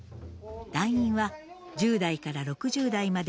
団員は１０代から６０代まで１８人。